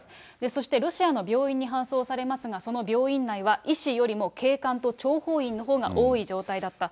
そしてロシアの病院に搬送されますが、その病院内は、医師よりも警官と諜報員のほうが多い状態だった。